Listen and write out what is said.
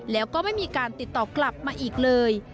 แล้วก็ไม่มีการติดต่อกลับมาอีกเลย